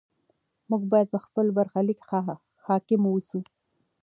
موږ باید په خپل برخلیک حاکم واوسو.